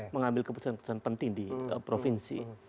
mengambil keputusan keputusan penting di provinsi